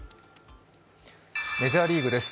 メジャーリーグです